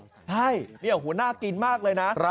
ใช่นี่โอ้โหน่ากินมากเลยนะ